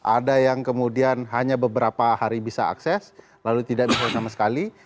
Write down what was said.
ada yang kemudian hanya beberapa hari bisa akses lalu tidak bisa sama sekali